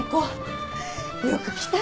よく来たね。